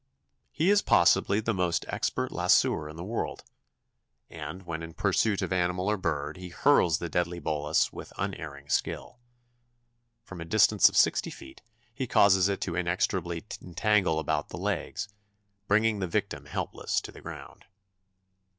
He is possibly the most expert lassoer in the world; and when in pursuit of animal or bird he hurls the deadly bolas with unerring skill. From a distance of sixty feet he causes it to inextricably entangle about the legs, bringing the victim helpless to the ground.